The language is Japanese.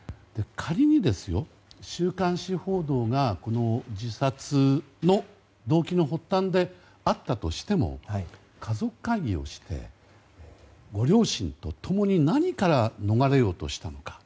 仮に週刊誌報道が、この自殺の動機の発端であったとしても家族会議をして、ご両親と共に何から逃れようとしたのか。